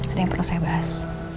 ada yang perlu saya bahas